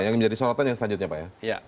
yang menjadi sorotan yang selanjutnya pak ya